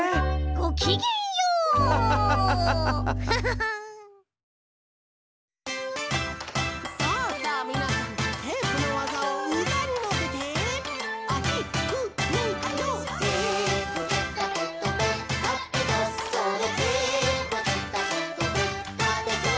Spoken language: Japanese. ごきげんよう！「」「」「」「」「」